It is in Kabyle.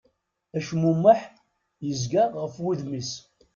Acmumeḥ yezga ɣef wudem-is.